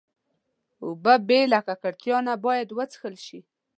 اوبه بې له ککړتیا نه باید وڅښل شي.